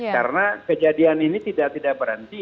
karena kejadian ini tidak tidak berhenti